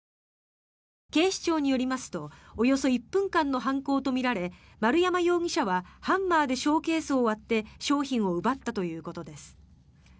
警視庁によりますとおよそ１分間の犯行とみられ丸山容疑者はハンマーでショーケースを割って商品を奪ったということです。